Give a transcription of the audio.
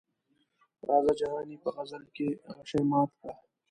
راځه جهاني په غزل کې غشي مات کړه.